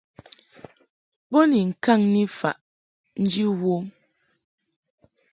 Bo ni ŋkaŋki faʼ nji wom.